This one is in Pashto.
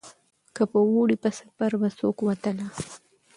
که په اوړي په سفر به څوک وتله